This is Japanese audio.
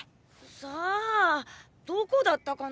さあどこだったかな？